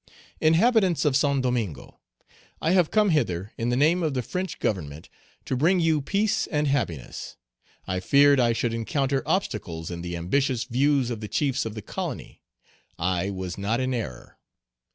"INHABITANTS OF SAINT DOMINGO, "I have come hither, in the name of the French Government, to bring you peace and happiness; I feared I should encounter obstacles in the ambitious views of the chiefs of the colony; I was not in error.